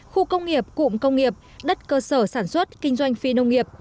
khu công nghiệp cụm công nghiệp đất cơ sở sản xuất kinh doanh phi nông nghiệp